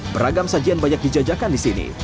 beragam sajian banyak dijajakan di sini